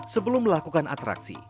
sebelum melakukan atraksi